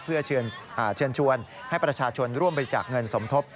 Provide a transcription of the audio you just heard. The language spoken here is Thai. เพื่อเชิญชวนให้ประชาชนร่วมบริจาคเงินสมทบ